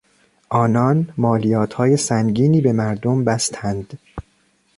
آنان مالیاتهای سنگینی به مردم بستند.